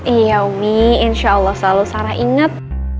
iya ummi insya allah selalu sarah inget